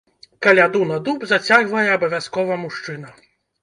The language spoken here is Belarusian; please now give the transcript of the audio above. Каляду на дуб зацягвае абавязкова мужчына.